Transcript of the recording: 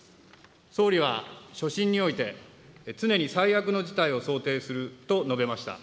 総理は所信において、常に最悪の事態を想定すると述べました。